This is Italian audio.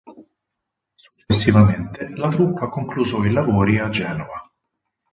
Successivamente la troupe ha concluso i lavori a Genova.